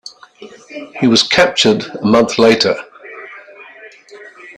He was captured a month later.